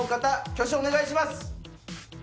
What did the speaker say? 挙手お願いします